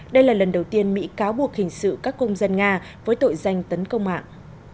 đây là lần đầu tiên mỹ cáo buộc hình sự các công dân nga với tội danh tấn công mạng